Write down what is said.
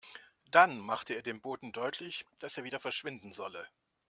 Dann machte er dem Boten deutlich, dass er wieder verschwinden solle.